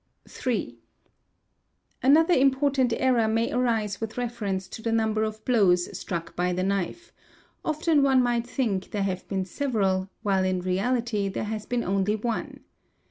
3. Another important error may arise with reference to the number of blows struck by the knife; often one might think there have been — several, while in reality there has been only one.